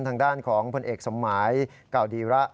ทางด้านของผลเอกสมหมายเก่าดีระ